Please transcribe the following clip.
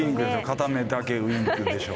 片目だけウインクでしょ。